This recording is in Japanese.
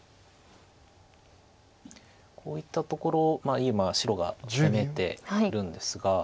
こういったところ今白が攻めてるんですが。